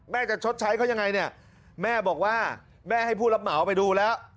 จะชดใช้เขายังไงเนี่ยแม่บอกว่าแม่ให้ผู้รับเหมาไปดูแล้ว